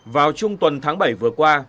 vào chung tuần tháng bảy vừa qua